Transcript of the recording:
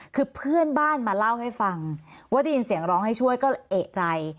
คือเพื่อนบ้านมาเล่าให้ฟังว่าได้ยินเสียงร้องให้ช่วยก็เอกใจ